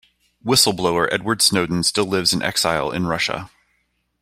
Whistle-blower Edward Snowden still lives in exile in Russia.